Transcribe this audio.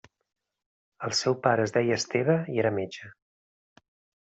El seu pare es deia Esteve i era metge.